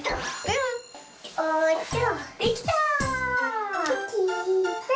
できた！